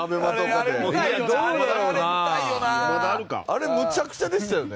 あれむちゃくちゃでしたよね。